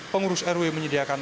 pengurus rw menyediakan